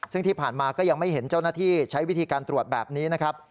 ซึ่งที่ผ่านมาก็ยังไม่เห็นเจ้าหน้าที่ใช้วิธีการตรวจแบบนี้นะครับ